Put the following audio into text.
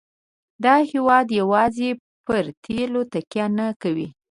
دا هېواد یوازې پر تیلو تکیه نه کوي.